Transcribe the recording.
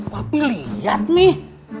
papi liat nih